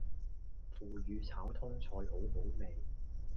腐乳炒通菜好好味